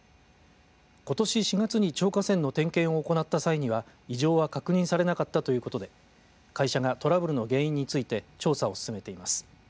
ことし４月にちょう架線の点検を行った際には異常は確認されなかったということで会社がトラブルの原因について調査を進めています。